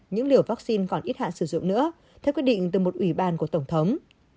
những liều vaccine còn ít hạn sử dụng nữa theo quyết định từ một ủy ban của tổng thống